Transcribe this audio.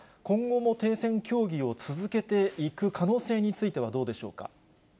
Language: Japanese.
今後も停戦協議を続けていく可能性についてはどうでしょうか。